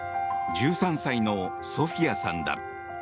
１３歳のソフィヤさんだ。